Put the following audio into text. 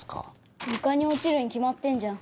床に落ちるに決まってんじゃん。